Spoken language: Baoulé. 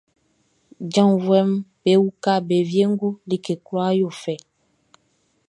Janvuɛʼm be uka be wiengu, like kwlaa yo fɛ.